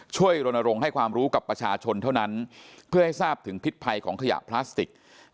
รณรงค์ให้ความรู้กับประชาชนเท่านั้นเพื่อให้ทราบถึงพิษภัยของขยะพลาสติก